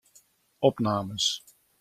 Opnames.